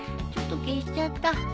ちょっと消しちゃった。